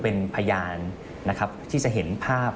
เป็นพยานนะครับที่จะเห็นภาพ